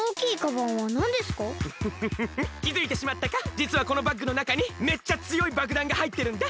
じつはこのバッグのなかにめっちゃつよいばくだんがはいってるんだ。